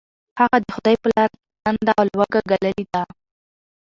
هغه د خدای په لاره کې تنده او لوږه ګاللې ده.